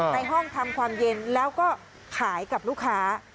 ในห้องทำความเย็นแล้วก็ขายกับลูกค้า